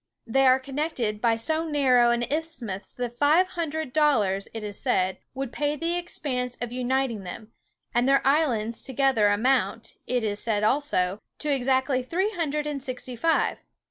They are connected by so narrow an isthmus that five hundred dollars, it is said, would pay the expense of uniting them: and their islands together amount, it is said also, to exactly three hundred and sixty five.